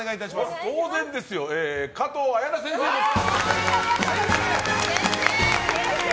当然ですよ、加藤綾菜先生です。